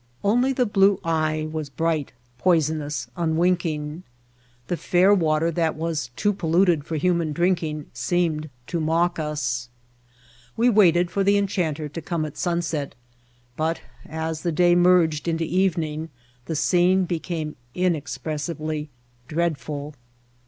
Only the blue eye was bright, poisonous, unwinking. The fair water that was too pol luted for human drinking seemed to mock us. We waited for the enchanter to come at sunset, but as the day merged into evening the scene be came inexpressibly dreadful.